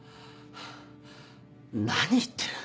何言ってる？